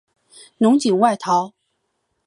侬锦外逃。